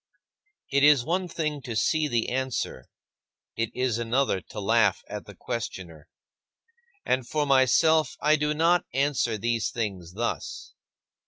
It is one thing to see the answer; it is another to laugh at the questioner and for myself I do not answer these things thus.